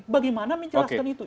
bagaimana menjelaskan itu